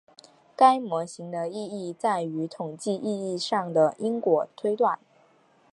该模型的意义在于统计意义上的因果推断。